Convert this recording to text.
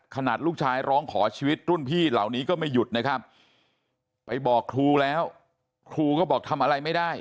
ขนาดลูกชายร้องขอชีวิตรุ่นพี่เหล่านี้ก็ไม่หยุดนะครับไปบอกครูแล้วครูก็บอกทำอะไรไม่ได้